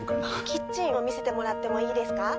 キッチンを見せてもらってもいいですか？